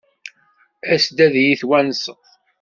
As-d ad iyi-twennseḍ.